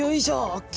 ＯＫ！